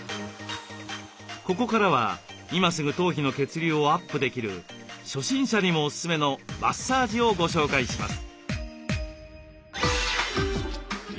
ここからは今すぐ頭皮の血流をアップできる初心者にもおすすめのマッサージをご紹介します。